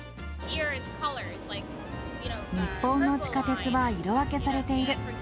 日本の地下鉄は色分けされている。